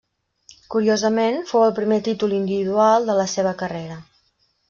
Curiosament, fou el primer títol individual de la seva carrera.